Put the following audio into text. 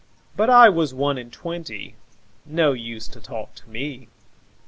'But I was one and twenty, No use to talk to me.